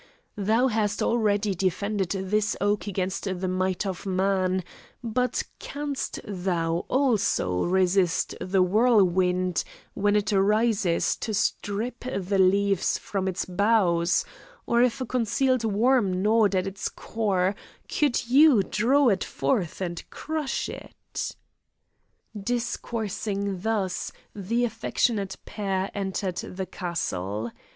Thou hast already defended this oak against the might of man, but canst thou also resist the whirlwind, when it arises to strip the leaves from its boughs; or if a concealed worm gnawed at its core, could you draw it forth and crush it?" Discoursing thus, the affectionate pair entered the castle.